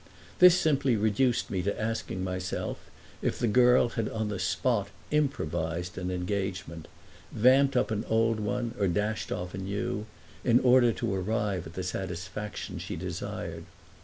This simply reduced me to asking myself if the girl had on the spot improvised an engagement—vamped up an old one or dashed off a new—in order to arrive at the satisfaction she desired.